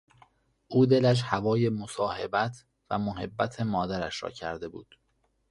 او دلش هوای مصاحبت و محبت مادرش را کرده بود.